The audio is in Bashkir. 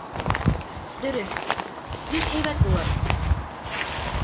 — Дөрөҫ, бик һәйбәт булыр.